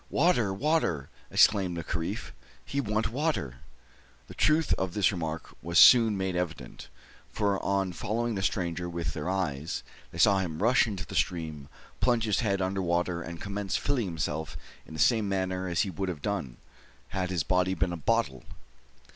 "Water, water!" exclaimed the Kaffir; "he want water." The truth of this remark was soon made evident; for, on following the stranger with their eyes, they saw him rush into the stream, plunge his head under water and commence filling himself in the same manner as he would have done, had his body been a bottle!